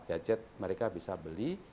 gadget mereka bisa beli